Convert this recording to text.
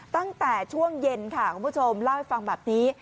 ตั้งแต่ช่วงเย็นค่ะคุณผู้ชมเล่าให้ฟังแบบนี้